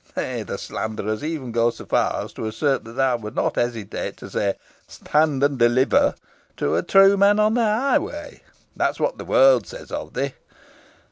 Nay, the slanderers even go so far as to assert thou wouldst not hesitate to say, 'Stand and deliver!' to a true man on the highway. That is what the world says of thee.